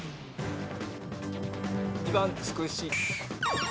２番「つくし」